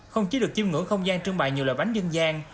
không chỉ được chiêm ngưỡng không gian trưng bày nhiều loại bánh dân gian